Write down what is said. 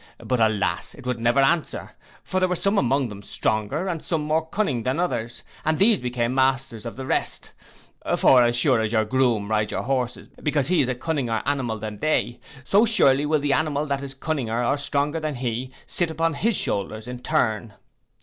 But, alas! it would never answer; for there were some among them stronger, and some more cunning than others, and these became masters of the rest; for as sure as your groom rides your horses, because he is a cunninger animal than they, so surely will the animal that is cunninger or stronger than he, sit upon his shoulders in turn.